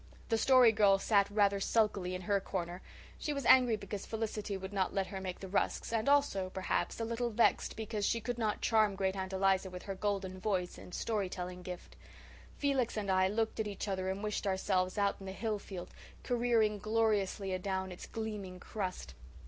The Story Girl sat rather sulkily in her corner; she was angry because Felicity would not let her make the rusks, and also, perhaps, a little vexed because she could not charm Great aunt Eliza with her golden voice and story telling gift. Felix and I looked at each other and wished ourselves out in the hill field, careering gloriously adown its gleaming crust.